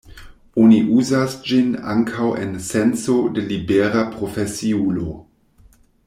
Oni uzas ĝin ankaŭ en senco de libera profesiulo.